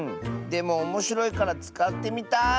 でもおもしろいからつかってみたい。